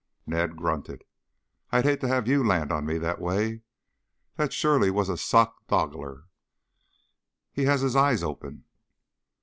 Ned grunted. "I'd hate to have you land on me that way. That surely was a sockdolager. He has his eyes open."